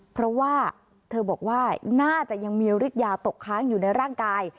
เพราะว่าเธอบอกว่าน่าจะยังมีฤทธิยาตกค้างอยู่ในร่างกาย